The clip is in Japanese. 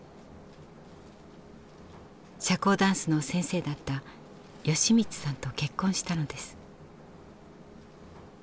社交ダンスの先生だった好光さんと結婚したのです。